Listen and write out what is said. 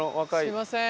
すいません。